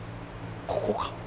ここか？